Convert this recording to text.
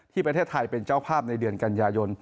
ประเทศไทยเป็นเจ้าภาพในเดือนกันยายน